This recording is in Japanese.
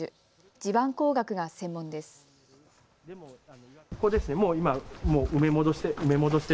地盤工学が専門です。